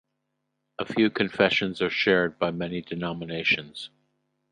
A few confessions are shared by many denominations.